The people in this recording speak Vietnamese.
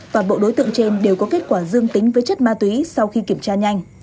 toàn bộ đối tượng trên đều có kết quả dương tính với chất ma túy sau khi kiểm tra nhanh